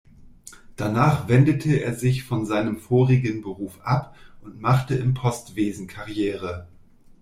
Danach wendete er sich von seinem vorigen Beruf ab und machte im Postwesen Karriere.